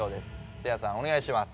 せいやさんおねがいします。